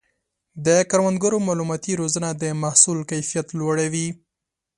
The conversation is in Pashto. د کروندګرو مالوماتي روزنه د محصول کیفیت لوړوي.